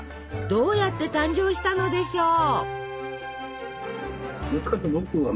どうやって誕生したのでしょう？